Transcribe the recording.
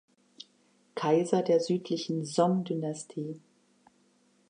Kaiser der Südlichen Song-Dynastie.